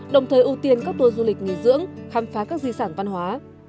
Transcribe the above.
đồng thời ưu tiên các tour du lịch nghỉ dưỡng khám phá các di sản văn hóa